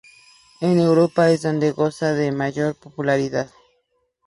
En Europa es donde goza de mayor popularidad.